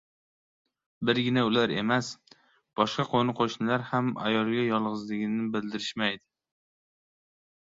Birgina ular emas, boshqa qoʻni-qoʻshnilar ham ayolga yolgʻizligini bildirishmaydi.